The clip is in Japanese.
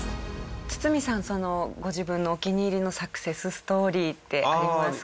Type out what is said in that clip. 堤さんご自分のお気に入りのサクセスストーリーってありますか？